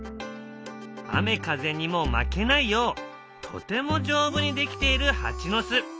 雨風にも負けないようとても丈夫にできているハチの巣。